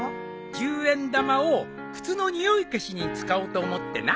十円玉を靴の臭い消しに使おうと思ってな。